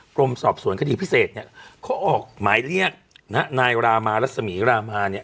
กรมสอบสวนคดีพิเศษเนี่ยเขาออกหมายเรียกนะฮะนายรามารัศมีรามาเนี่ย